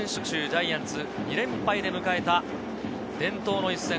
ジャイアンツ２連敗で迎えた伝統の一戦。